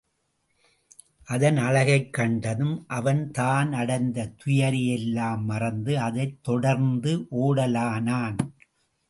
அதன் அழகைக் கண்டதும், அவன் தான் அடைந்த துயரையெல்லாம் மறந்து, அதைத் தொடர்ந்து ஓடலானான்.